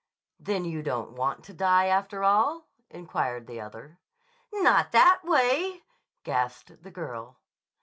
"Then you don't want to die, after all?" inquired the other. "Not that way!" gasped the girl.